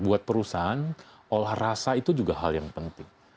buat perusahaan olah rasa itu juga hal yang penting